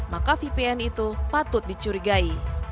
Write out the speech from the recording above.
maka vpn itu patut dicurigai